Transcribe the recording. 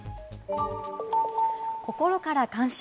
心から感謝。